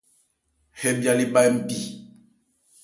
Hɛ bhya le bha npi.